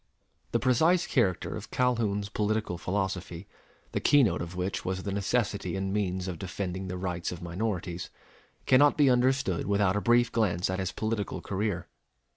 The precise character of Calhoun's political philosophy, the keynote of which was the necessity and means of defending the rights of minorities, cannot be understood without a brief glance at his political career.